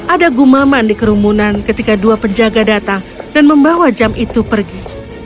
ada gumaman di kerumunan ketika dua penjaga datang dan membawa jam itu pergi